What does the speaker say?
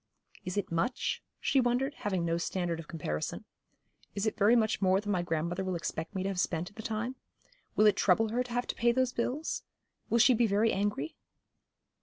'Is it much?' she wondered, having no standard of comparison. 'Is it very much more than my grandmother will expect me to have spent in the time? Will it trouble her to have to pay those bills? Will she be very angry?'